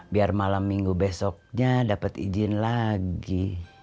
biar malam minggu besoknya dapat izin lagi